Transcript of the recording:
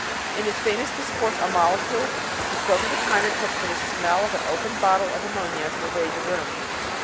In his famous discourse on molecules he spoke of the time it took for the smell of an opened bottle of ammonia to pervade the room.